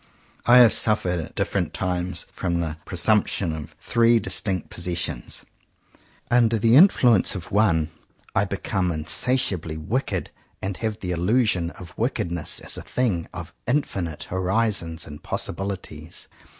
I have suffered at different times from the presumption of three distinct "pos sessions." Under the influence of one, I 35 CONFESSIONS OF TWO BROTHERS become insatiably "wicked," and have the illusion of wickedness as a thing of infinite horizons and possibilities.